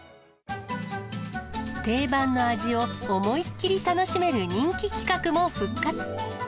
定番の味を思いっ切り楽しめる人気企画も復活。